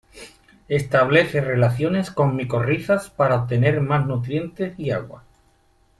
Establece relaciones con micorrizas para obtener más nutrientes y agua.